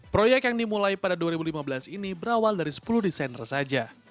proyek yang dimulai pada dua ribu lima belas ini berawal dari sepuluh desainer saja